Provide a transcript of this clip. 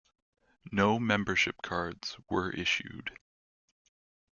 No membership cards were issued.